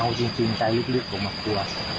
เอาจริงใจลึกผมกลัว